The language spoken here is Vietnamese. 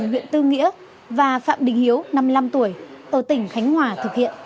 huyện tư nghĩa và phạm đình hiếu năm mươi năm tuổi ở tỉnh khánh hòa thực hiện